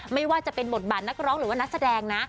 ไม่ว่าจะเป็นบทบาทนักร้องหรือว่านักแสดงนะ